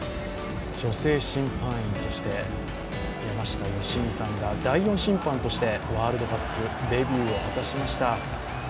女性審判員として山下良美さんが第４審判としてワールドカップデビューを果たしました。